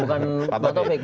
ini yang tegas